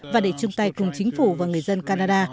và để chung tay cùng chính phủ và người dân canada